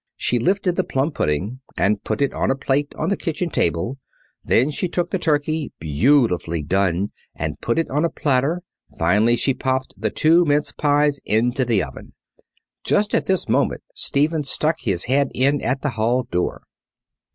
She lifted the plum pudding and put it on a plate on the kitchen table; then she took out the turkey, beautifully done, and put it on a platter; finally, she popped the two mince pies into the oven. Just at this moment Stephen stuck his head in at the hall door.